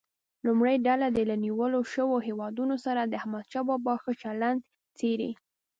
لومړۍ ډله دې له نیول شویو هیوادونو سره د احمدشاه بابا ښه چلند څېړي.